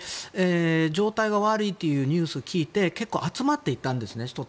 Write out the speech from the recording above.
状態が悪いというニュースを聞いて結構、人々が集まっていたんですね。